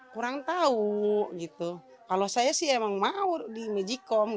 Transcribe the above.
kurang tahu gitu kalau saya sih emang mau di mejikom